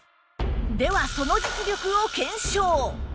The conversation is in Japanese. ではその実力を検証！